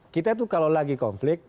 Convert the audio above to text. kita itu kalau lagi konflik